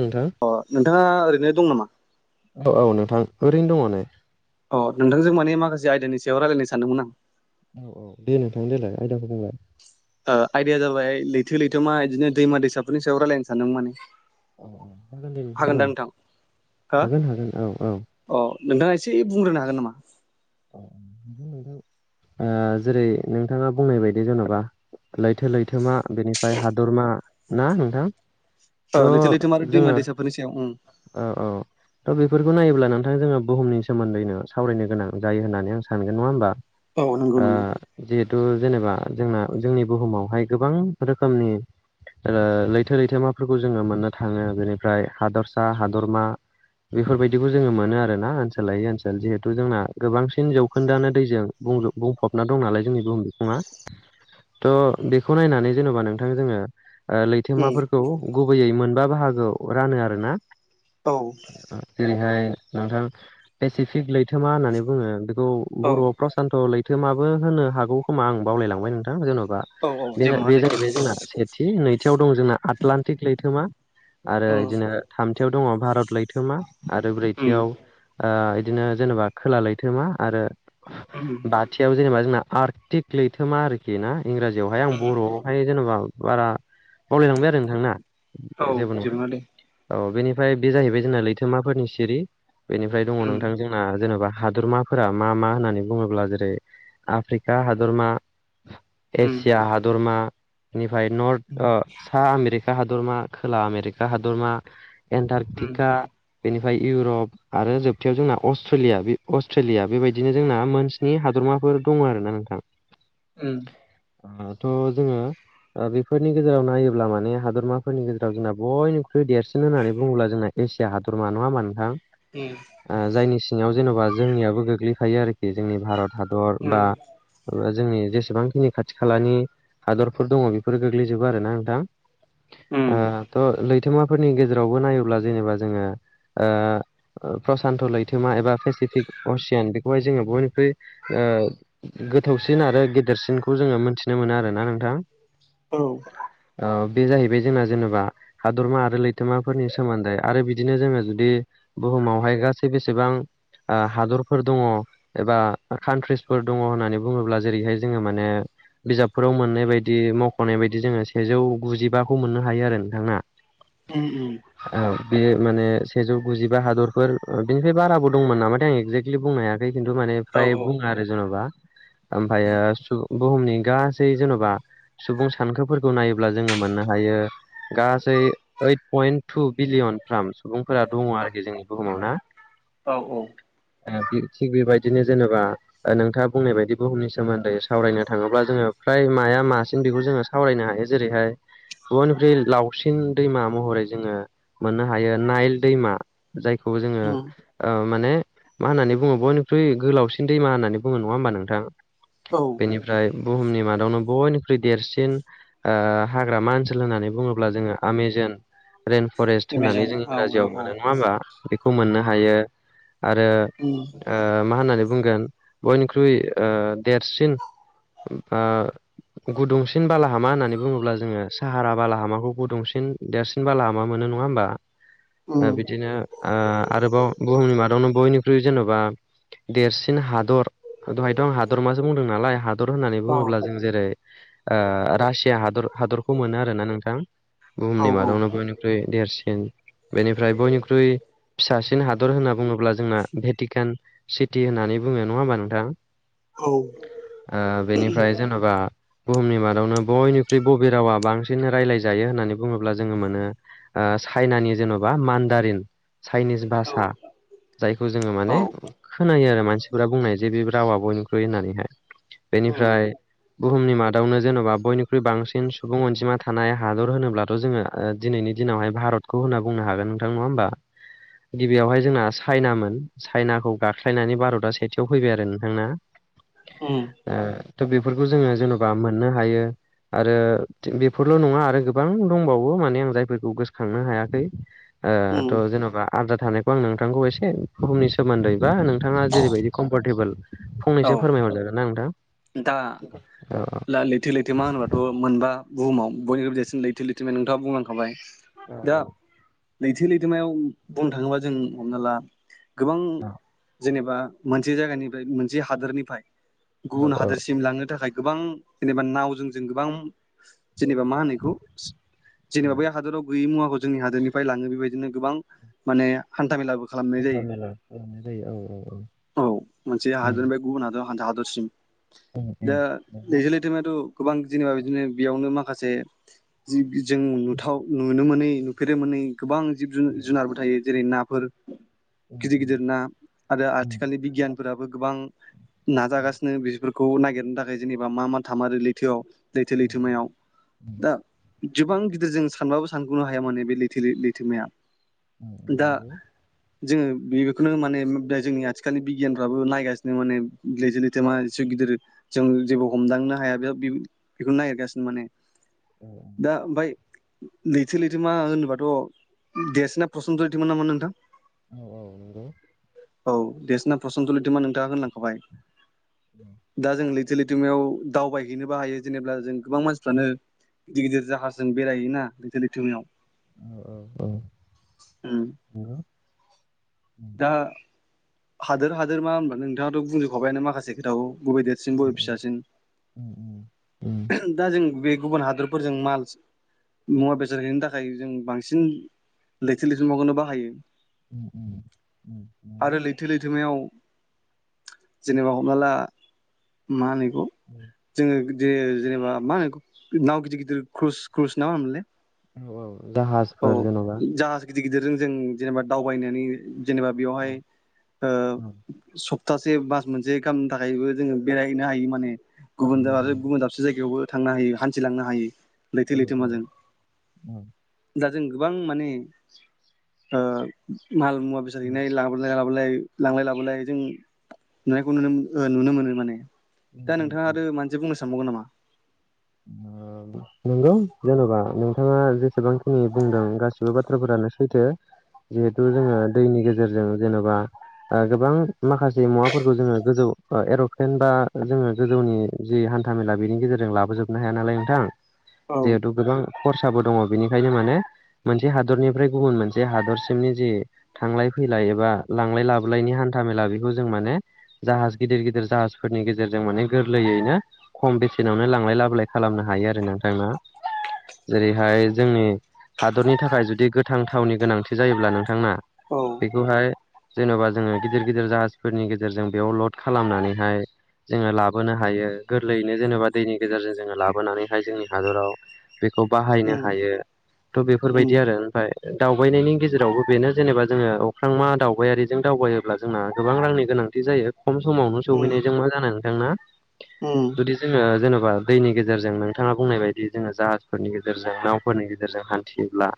नोंथां अ नोंथाङा ओरैनो दं नामा? औ औ नोंथां ओरैनो दङ नेै अ नोंथांजों माने माखासे आयदानि सायाव रायलायनो सानदोंमोन आं औ औ दे नोंथां देलाय आयदाखौ बुंलाय ओ आइदाया जाबाय लैथो लैथोमा इदिनो दैमा दैसाफोरनि सायाव रायलायनो सानदों माने औ हागोन दे नोंथां औ हो हागोन हागोन औ औ अ नोंथाङा एसे बुंग्रोनो हागोन नामा नोंथां जेरै नोंथाङा बुंनाय बायदि जेन'बा लैथो लैथोमा बेनिफ्राय हादरमा ना नोंथां ओ लैथो लैथोमा आरो थ' दैमा जोङो दैसाफोरनि सायाव उम औ औ [unintelligible] बेफोरखौ नायोब्ला नोंथां जोङो बुहुमनि सोमोन्दैनो सावरायनो गोनां जायो होननानै आं सानगोन नङा होमबा औ नंगौ नंगौ ओ जिहु थु जेनेबा जोंना जोंनि बुहुमावहाय गोबां रोखोमनि ओ लैथो लैथोमाफोरखौ जोङो मोननो थाङो बेनिफ्राय हादरसा हादरमा बेफोर बायदिखौ जोङो मोनो आरो ना ओनसोल लायै ओनसोल जिहेथु जोंना गोबांसिन जौखोन्दोआनो दैजों बुंजोब बुंफबना दं नालाय जोंनि बुहुम बिखङा थ' बेखौ नायनानै जेन'बा नोंथां जोङो ओ उम लैथोमाफोरखौ गुबैयै मोनबा बाहागोआव रानो आरोना औ जेरैहाय नोंथां पेसिफिक लैथोमा होननानै बुङो बेखौ औ बर'आव प्रसान्त' लैथ थोमाबो होनो हागौ खोमा आं बावलाय लांबाय नोंथां [unintelligible] बा औ औ जेबो नङा बे दे जाहैबाय जोंना सेथि नैथियाव दं जोंना आटलान्टिक लैथोमा आरो उम बिदिनो थामथियाव दङ भारत लैथोमा आरो उम ब्रैथियाव ओ बिदिनो जेनेबा खोला लैथो मा आरो उम बाथियाव जेनेबा जोंना आर्टिक लैथोमा आरोखि ना इंराजियावहाय आं उम बर'आवहाय जेनेबा बारा बावलाय लांबाय आरो नोंथां ना जेबो नङा औ बेनिफ्राय बे जाहैबाय जोंना लैथोमाफोरनि सिरि बेनिफ्राय दङ उम नोंथां जोंना जेनेबा हादरमाफोरा मा मा होननानै बुङोब्ला जेरै आफ्रिका हादरमा उम एसिया हादरमा निफ्राय नर्थ उम ओ सा आमे खा हादरमा खोला आमेरिका हादरमा उम एन्टारटिका बेनिफ्राय इउरप आरो जोबथायाव जोंना अस्ट्रेलिया बे अस्ट्रेलिया बेबायदिनो जोंना मोन स्नि हादरमाफोर दङ आरो ना नोंथां उम ओ थ' जोङो ओ बेफोरनि गेजेराव नायोब्ला माने हादरमाफोरनि गेजेराव जोंना बयनिख्रुइ देरसिन होननानै बुङोब्ला जोंना एसिया हादरमा नङा होनबा नोंथां ओ जायनि सिङाव जेन'बा जोंनियाबो गोग्लैखायो आरोखि जोंनि भारत हादर बा मा जोंनि जेसेबांखिनि खाथि खालानि हादरफोर दङ बेफोरो गोग्लैजोबो आरोना नोंथां ओ उम थ' लैथोमाफोरनि गेजेरावबो नायोब्ला जेनेबा जोङो ओ प्रसान्त' लैथोमा एबा पेसिफिक असियेन बेखौहाय जोङो बयनिख्रुइ ओ गोथौसिन आरो गेदेरसिनखौ जोङो मोनथि नो मोनो आरो ना नोंथां औ ओ बे जाहैबाय जोंना जेनेबा हादरमा आरो लैथोमाफोरनि सोमोन्दै आरो बिदिनो जोङो जुदि ब समावहाय गासै बेसेबां हादरफोर दङ एबा कान्ट्रिसफोर दङ होननानै बुङोब्ला जेरैहाय जोङो माने बिजाबफोराव मोननाय बायदि मख'नाय बायदि जोङो सेजौ गुजिबाखौ मोननो हायो आरो नोंथां। उम बेयो माने सेजौ गुजिबा हादरफोर बेनिफ्राय बाराबो दंमोन नामाथाये आं एक्जेक्टलि बुंनाया बे खिन्थु माने औ फ्राय बुङो आरो जेन'बा ओमफ्रायो बुहुमनि गासै जेन'बा सुबुं सानखोफोरखौ नायोब्ला जोङो मा मोननो हायो गासै ओड पयेन टु ब्लियनफ्राम फोर दङ आरोखि जोंनि बुहुमाव ना औ औ थिग बेबायदिनो जेनेबा नोंथाङा बुंनाय बायदि बुहुमनि सोमोन्दै सावरायनो थाङोब्ला जोङो फ्राय माया मासिन बेखौ जोङो सावरायनो हायो। जेरैहाय बयनिफ्राय लावसिन दैमा महरै जोङो मोननो हायो नाइल दैमा जायखौ जोङो उम ओ माने मा होननानै बुङो बयनिख्रुइ गोलावसिन दैमा होननानै बुङो नङा होमबा नोंथां औ बेनिफ्राय बुहुमनि मादावनो बयनिख्रुइ देरसिन हाग्रामा ओनसोल होननानै बुङोब्ला जोङो आमस जोन। रइेन फरेस्ट एमाजन होननानै जों औ औ इंराजियाव औ मोनो नङा होमबा बेखौ मोननो हायो आरो। उम आ मा होननानै बुंगोन बयनिख्रुइ आ देरसिन बा गुदुंसिन बालाहामा होननानै बुङोब्ला जोङो साहारा बालाहामाखौ गुदुंसिन देरसिन बालाहामा मोनो। नङा होमबा उम बिदिनोबाव बुुहुमनि मादावनो बयनि ख्रुइ जेन'बा देरसिन हादर दहायथ' आं हादरमासो बुंदों नालाय हादर हादर होननानै औ बुङोब्ला जों जेरै रासिया हादर हादरखौ मोनो आरोना नोंथां। औ बुहुमनि मादावनो बयनिख्रुइ देरसिन बेनिफ्राय बयनिख्रुइ फिसासिन हादर होनना बुङोब्ला जोंना भेटिकान सिटि होननानै बुङो नङा होमबा नोंथां? औ आ बेनिफ्राय जेनेबा बुहुमनि मादावनो बयनिख्रुइ बबे रावा बांसिन रायज्लायजायो होननानै बुङोब्ला जोङो मोनो आ चाइनानि जेन'बा मान्दारिन चाइनिस औ भाषा जायखौ जोङो औ माने खोना यो आरो मानसिफोरा बुंनाय जे बे रावा बयनिख्रुइ होननानैहाय उम बेनिफ्राय बुहुमनि मादावनो जेनेबा बयनिख्रुइ बांसिन सुबुं अनजिमा थानाय हादर होनोब्लाथ' जोङो दिनैनि दिनावहाय भारतखौ होनना बुंनो हागोन नोंथां नङा होम बा गिबियावहाय जोंना चाइनामोन। चाइनाखौ गाख्लायनानै भारतआ सेथियाव फैबाय आरो नोंथांना। उम थ' बेफोरखौ जोङो जेन'बा मोननो हायो। आरो बेफोरल' नङा आरो गोबां दंबावो माने आं जायफोरखौ गोसोखांनो हायाखै। ओ थ' उम जेन'बा आद्रा थानायखौ आं नोंथांखौ एसे बुहुमनि सोमोन्दै बा नोंथाङा जेरैबायदि कम्फरटेबोल औ फंनैसो फोरमायहरज जागोन ना नोंथां। दा लैथो लैथो मा होनोबाथ' मोनबा बुहुव बनिख्रुइबो लैथो लैथोम नोंथाङा बुंलांखाबाय दा लैथो लैथोमायाव बुंनो थाङोबा जों हमना ला गोबां जेनेबा मोनसे जायगानिफ्राय मोनसे हादोरनिफ्राय गुबुन हादोरसिम लांनो थाखाय गोबां जेनेबा नावजों जों गोबां जेनेबा मा होनोखौ जेनेबा बे हादोराव गैयै मुवाखौ जोंनि हादोरनिफ्राय लाङो बेबायदिनो गोबां माने हान्था मेलाबो खालामनाय जायो औ मोनसे हादरनि बे गुबुन हादराव हा हादरसिम दा लैथो लैथोमाथ' गोबां जेनेबा बिदिनो बेयावनो माखासे जों नुथाव नुनो मोनै नुफेरोमोन नै गोबां जिब जुन जुनारबो थायो जेरै नाफोर गिदिर गिदिर ना आरो आथिखालनि बिगियानफोराबो गोबां नाजागासि बेफोरखौ नागिरनो थाखाय जेनेबा मा मा थामारो लैथोआव लैथो लैथोमायाव दा गोबां गिदिर जों सानबाबो सानगोननो हाया माने बे लैथो लैथोमाया दा जोङो बेखौनो माने दा जोंनि आथिखालनि बिगियानफ्राबो नायगासिनो माने लैथो मा जिसे गिदिर जों जेबो हमदांनो हाया बे बेखौ नागिरगासिनो माने दा बाय लोथो लैथोमा होनोबाथ' देरसिना प्रसन' लैथोमोन नामा नोंथां? औ औ नोंगौ औ देरसना प्रसन्त लिरथोमा नोंथाङा होनलांखाबाय दा जों लै थो- लैथोमायाव दावबायहैनोबो हायो जेनेबा जों गोबां मानसिफ्रानो गिदिर गिदिर जाहाजजों बेरायहोना लैथो लैथोमायाव ओम दा हादोर हादोर मा होनबानो नोंथाङाथ' बुंजोबखबायानो माखासे खोथाखौ बबे देरसिन बबे फिसासिन दा जों बे गुबुन हादरफोरजों माल [unintelligible] मुवा बेसाद हैनो थाखाय जों बांसिन लैथो लैथोमाखौनो बाहायो। उम मायाव जेनेबा हमना ला मा होनो? जोङो जेनेबा मा होनो नाव गिदिर गिदिर क्रुस क्रुस ना होनोमोनलाय? औ औ औ जाहाजफोर जेन'बा जाहाज गिदिर गिदिरजों जेनेबा दावबायनानै जेनेबा बेयावहाय ओ सप्थासे बास मोनसे खालामामनो थाखायबो जोङो बेरायहनो हायो माने गुबुन दाब आरो गुबुन दाबसे जायगायावबो थांनो हायो हानथिलांनो हायो लैथो लैथोमाजों जों गोबां माने ओ माल मुवा बेसाद हैनाय लाबोलाय लाबोलाय लांलाय लाबोलाय जों नुनायखौ नुनो नुनो मोनो माने दा नोंथाङा आरो मा मोनसे बुंनो सानबावगोन नामा? नंगौ जेन'बा नोंथाङा जेसेबांखिनि बुंदों गासिबो बाथ्राफोरा सैथो जिहेथु जोङो दैनि गेजेरजों जेनेबा गोबां माखासे मुवाफोरखौ जोङो गोजौ एर'क्लेन बा जोङो गोजौनि जि हानथा मेला बेनि गेजेरजों लाबोजोबनो हाया नालाय नोंथां औ जिहेथु गोबां खरसाबो दङ बेनिखायनो माने मोनसे हादरनिफ्राय गुबुन मोनसे हादरसिमनि जि थांलाय फै लाय एबा लांलाय लाबोलायनि हानथा मेला बेखौ जों माने जाहाज गिदिर गिदिर जाहफोरनि गेजेरजों माने गोरलैयैनो खम बेसेनावनो लांलाय लाबोलाय खालामनो हायो आरो नोंथां। जेरैहाय जोंनि हादरनि थाखाय जुदि गोथां थावनि गोनांथि जायोब्ला नोंथाङा औ बेखौहाय जेन'बा जोङो गिदिर गिदिर जाहाजफोरनि गेजेरजों बेयाव लड खालामनानैहाय जोङो लाबोनो हायो गोरलैयैनो जेनेबा दैनि गेजेरजों जोङो लाबोनानैहाय जोंनि हादराव बेखौ बाहायनो उम हायो थ' बेफोरबायदि उम आरो ओमफ्राय दावबायनायनि गेजेरावबो बेनो जेनेबा जोङो अख्रांमा दावबायारिजों दावबायोब्ला जोंना गोबां रांनि गोनां जायो खम समावनो उम सौहैनायजों मा जानो नोंथां उम जुदि जोङो जेनेबा दैनि गेजेरजों नोंथाङा बुंनाय बायदि जोङो जाहाजफोरनि गेजेरजों नावफोरनि गेजेरजों हानथियोब्ला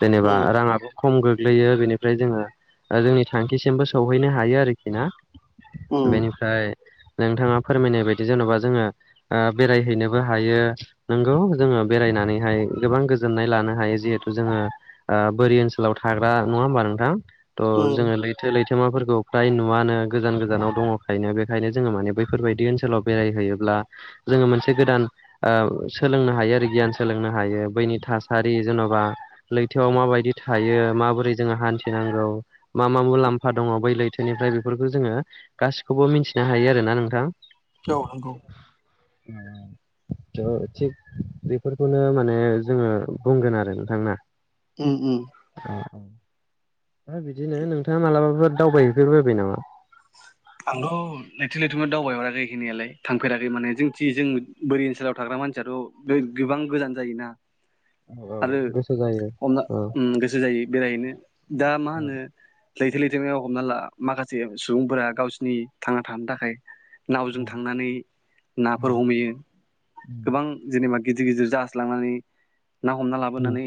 जेनेबा उम राङाबो खम गोग्लैयो बेनिफ्राय जोङो जोंनि थांखिसिमबो सौहैनो हायो आरोखि ना? उम बेनिफ्राय नोंथाङा फोरमायनाय बायदि जेन'बा जोङो ओ बेराय हैनोबो हायो नोंगौ जोङो बेरायनानैहाय गोबां गोजोननाय लानो हायो जिहेथु जोङो ओ बोरि ओनसोलाव थाग्रा नङा होमबा नोंथां थ' उम जोङो लैथो लैथोमाफोरखौ फ्राय नुवनो गोजान गोजानाव दङखायनो बेखायनो जोङो माने बैफोरबायदि ओनसोलाव बेरायहैयोब्ला जोङो मोनसे गोदान ओ सोलोंनो हायो आरो गियान सोलोंनो हायो बैनि थासारि जेन'बा लैथोआव माबायदि थायो माबोरै जोङो हानथिनांगौ मा मा मुलामफा दङ बै लैथोनिफ्राय बेफोर फोरफोरखौ जोङो गासिखौबो मिथिनो हायो आरोना नोंथां औ नंगौ थ' थिग बेफोरखौनो माने जोङो बुंगोन आरो नोंथां ना ओम ओम दा बिदिनो नोंथाङा मालाबाफोर दावबायहैफेर बायबाय नामा आंथ' लैथो लैथोमा दावबायहराखै हैनायालाय थांफेराखै माने जोंथि जों बोरि ओनसोलाव थाग्रा मानसियाथ' गोबां गोजान जायोना औ आरो गोसो जायो हमना औ गोसो जायो बेरायहैनो दा मा होनो लैथो लैथो म हमना ला माखासे सुबुंफोरा गावसिोरनि थांना थानो थाखाय नावजों थांनानै नाफोर हमहैयो गोबां जेनेबा गिदिर गिदिर जाहास लांनानै ना हमना लाबोनानै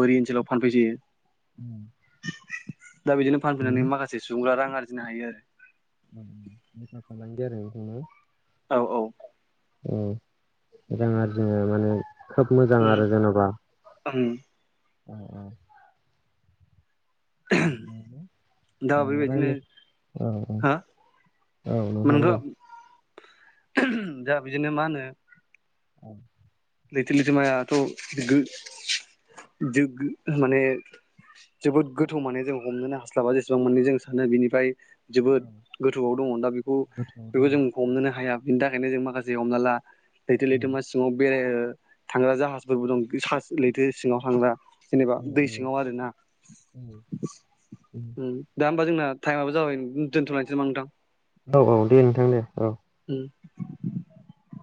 बोरि ओनसोलाव फानफैजायो उम दा बिदिनो फानफैनानै माखासे सुबुंआ रां आरजिनो हायो आरो बेफार फालांगि आरो बेफोरबो औ औ औ रां आरजिनो माने खोब मोजां आरो जेनेबा ओं अ अ दा बेबायदिनो रायलाय औ हा औ औ नोंथां दे नोंथ' दा बिदिनो मा होनो औ लैथो लैथो मायाथ' गो गो गो माने जोबोद गोथौ माने जों हमनोनो हास्लाबा जेसेबां माने जों सानो बिनिफ्राय जोबोद गोथौआव दङ दा बेखौ बेखौ जों हमनोनो हाया बिनि थाखायनो जों माखासे हमना ला लैथो लैथोमा सिङाव थांग्रा जाहाजफोरबो दं लैथो सिङाव थांग्रा जेनेबा दै सिङाव आरोना ओ दा जोंना टाइमाबो जाबाय दोनथ'नायसै नामा नोंथां औ औ दे नोंथां दे औ [inaudible]